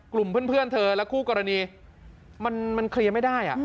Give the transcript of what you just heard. กลุ่มเพื่อนเพื่อนเธอและคู่กรณีมันมันเคลียร์ไม่ได้อ่ะ